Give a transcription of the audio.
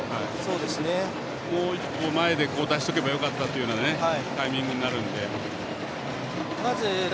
もう一歩前で出しておけばよかったっていうタイミングになるので。